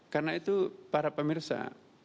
karena itu para pemirsa